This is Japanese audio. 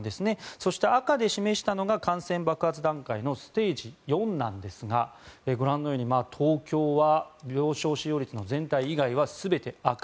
そして赤で示したのが感染爆発段階のステージ４なんですがご覧のように東京は病床使用率の全体以外は全て赤。